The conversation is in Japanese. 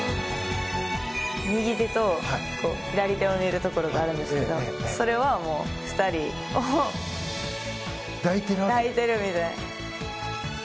右手と左手を見るところがあるんですけどそれはもう２人を抱いてるみたいな。